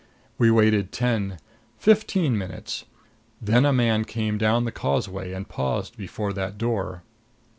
We waited ten, fifteen minutes; then a man came down the Causeway and paused before that door.